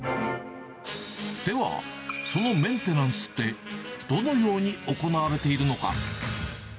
では、そのメンテナンスって、どのように行われているのか。